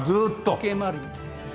時計回りに。